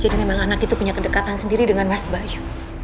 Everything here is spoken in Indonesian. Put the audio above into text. jadi memang anak itu punya kedekatan sendiri dengan mas bayu